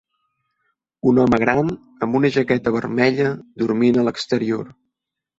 Un home gran amb una jaqueta vermella dormint a l'exterior.